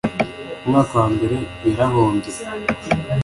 umwaka wambere yarahombye.